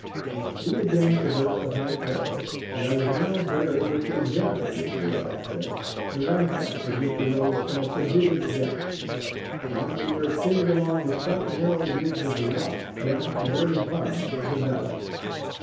We again traversed the high parapet, and I was now better able to examine this way of access, the ramparts of which arose from a prodigious depth; and they were extended along the sharp narrow ridge of the rock down to the very bottom of the valley.